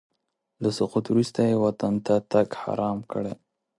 له سقوط وروسته یې وطن ته تګ حرام کړی.